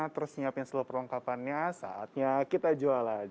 terus nyiapin seluruh perlengkapannya saatnya kita jualan